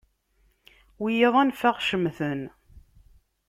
Wiyaḍ anef ad aɣ-cemten.